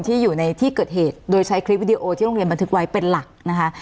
อยู่ในที่เกิดเหตุโดยใช้คลิปวิดีโอที่โรงเรียนบันทึกไว้เป็นหลักนะคะ